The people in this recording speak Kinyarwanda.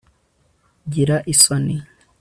gira isoni